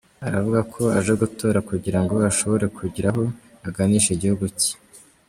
Aravuga ko aje gutora kugira ngo ashobore kugira aho aganisha igihugu cye.